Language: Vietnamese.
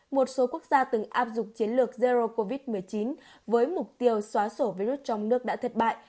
một số quốc gia từng áp dụng chiến lược zero covid một mươi chín với mục tiêu xóa sổ virus trong nước đã thất bại